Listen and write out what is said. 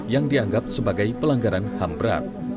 yang dianggap sebagai pelanggaran ham berat